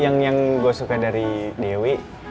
yang gue suka dari dewi